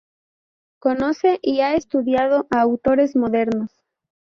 Conoce y ha estudiado a autores modernos.